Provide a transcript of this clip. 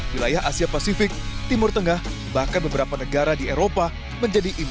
wilayah asia pasifik timur tengah bahkan beberapa negara di eropa menjadi impun